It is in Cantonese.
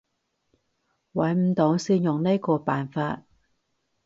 揾唔到先用呢個辦法